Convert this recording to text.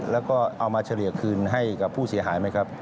แล้วก็เอามาเฉลี่ยคืนให้กับผู้เสียหายไหมครับ